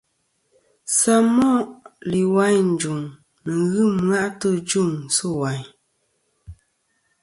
Samoʼ lìwàyn î jùŋ nɨ̀ ghɨ ɨmwaʼtɨ ɨ jûŋ sɨ̂ wàyn.